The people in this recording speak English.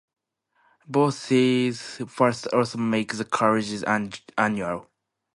Both these firsts also make the colleges unusual.